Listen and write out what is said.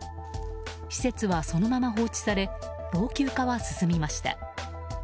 施設はそのまま放置され老朽化は進みました。